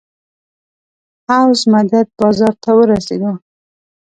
حوض مدد بازار ته ورسېدو.